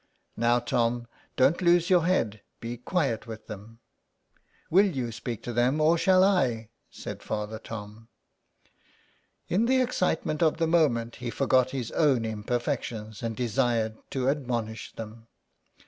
" Now, Tom, don't lose your head, be quiet with them." " Will you speak to them, or shall I ?" said Father Tom. 64 SOME PARISHIONERS. In the excitement of the moment he forgot his own imperfections and desired to admonish them.